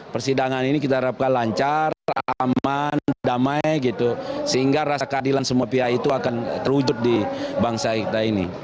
persidangan ini kita harapkan lancar aman damai gitu sehingga rasa keadilan semua pihak itu akan terwujud di bangsa kita ini